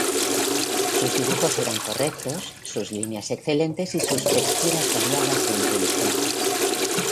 Sus dibujos eran correctos, sus líneas excelentes y sus texturas variadas e inteligentes.